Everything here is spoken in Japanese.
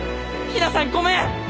陽菜さんごめん！